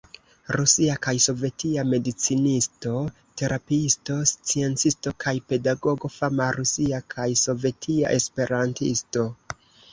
Rusia kaj sovetia medicinisto-terapiisto, sciencisto kaj pedagogo, fama rusia kaj sovetia esperantisto.